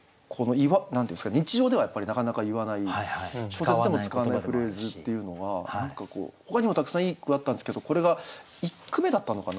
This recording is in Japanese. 日常ではなかなか言わない小説でも使わないフレーズっていうのはほかにもたくさんいい句あったんですけどこれが１句目だったのかな。